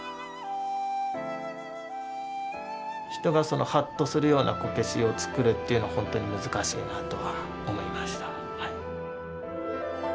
人がハッとするようなこけしを作るっていうのは本当に難しいなとは思いました。